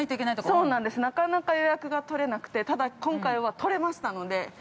◆そうなんです、なかなか予約が取れなくてただ、今回は取れましたので。